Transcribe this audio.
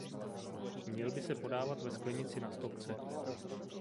Měl by se podávat ve sklenici na stopce.